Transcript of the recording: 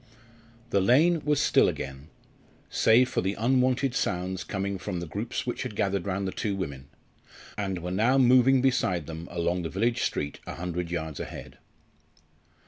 The lane was still again, save for the unwonted sounds coming from the groups which had gathered round the two women, and were now moving beside them along the village street a hundred yards ahead.